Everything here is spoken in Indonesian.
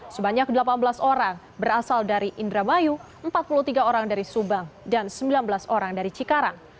sebanyak delapan belas orang berasal dari indramayu empat puluh tiga orang dari subang dan sembilan belas orang dari cikarang